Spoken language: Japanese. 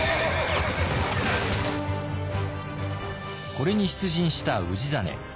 これに出陣した氏真。